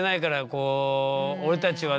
こう俺たちはね